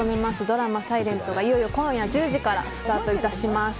ドラマ「ｓｉｌｅｎｔ」がいよいよ今夜１０時からスタートいたします。